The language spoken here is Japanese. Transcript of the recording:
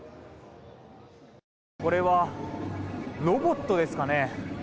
これはロボットですかね。